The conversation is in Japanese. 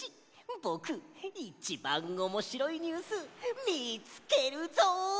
ぼくいちばんおもしろいニュースみつけるぞ！